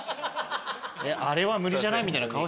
あれは無理じゃない？みたいな。